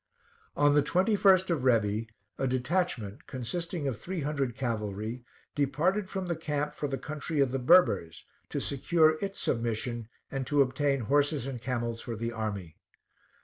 On the 21st of Rebi, a detachment, consisting of three hundred cavalry, departed from the camp for the country of the Berbers, to secure its submission and to obtain horses and camels for the army.